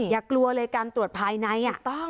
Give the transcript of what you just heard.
อย่ากลัวเลยการตรวจภายใน